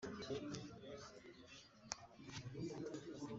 kwita ku ibikorwa rusange